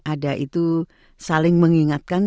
ada itu saling mengingatkan